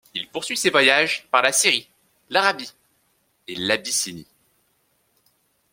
Il poursuit ces voyages par la Syrie, l'Arabie et l'Abyssinie.